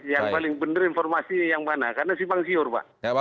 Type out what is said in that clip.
yang paling benar informasi yang mana karena simpang siur pak